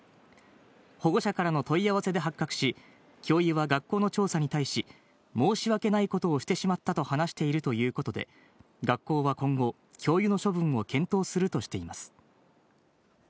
保護者からの問い合わせで発覚し、教諭は学校の調査に対し、申し訳ないことをしてしまったと話しているということで、学校は今後、教諭の処分を検討するとしています。